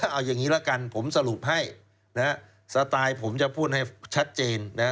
เอาอย่างนี้แล้วกันผมสรุปให้สไตล์ผมจะพูดให้ชัดเจน